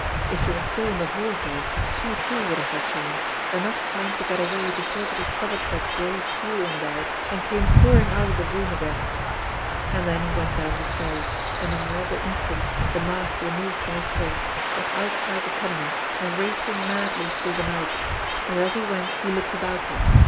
If she were still in the hall here, she too would have her chance, enough time to get away before they discovered that gray seal in there and came pouring out of the room again ! And then he went down the stairs, and in another instant, the mask removed from his face, was outside the tenement, and racing madly through the night. And as he went he looked about him.